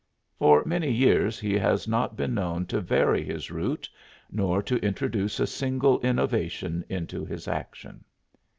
For many years he has not been known to vary his route nor to introduce a single innovation into his action.